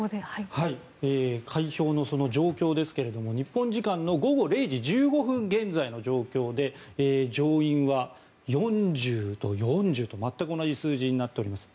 開票の状況ですが日本時間の午後０時１５分現在の状況で上院は４０と４０全く同じ数字になっています。